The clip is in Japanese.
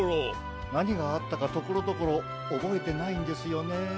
なにがあったかところどころおぼえてないんですよね。